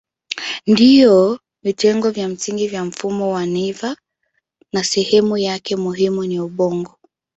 Ndiyo vitengo vya msingi vya mfumo wa neva na sehemu yake muhimu ni ubongo.